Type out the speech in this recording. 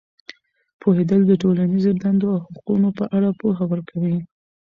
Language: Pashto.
پوهېدل د ټولنیزې دندو او حقونو په اړه پوهه ورکوي.